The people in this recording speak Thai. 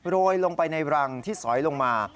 โรยลงไปในรังที่สอยลงมา